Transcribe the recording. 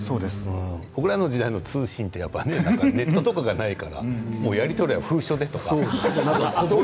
僕らの時代の通信はネットがないからやり取りは封書でとか。